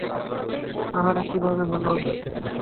আহারে, কীভাবে হলো?